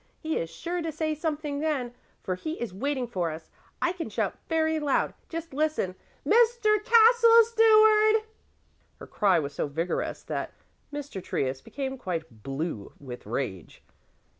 "He is sure to say something then, for he is waiting for us. I can shout very loud, just listen: 'Mr. Castle Steward!'" Her cry was so vigorous that Mr. Trius became quite blue with rage.